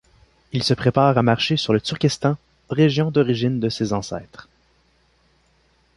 Il se prépare à marcher sur le Turkestan, région d'origine de ses ancêtres.